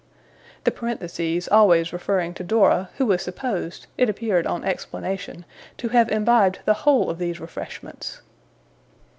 the parentheses always referring to Dora, who was supposed, it appeared on explanation, to have imbibed the whole of these refreshments.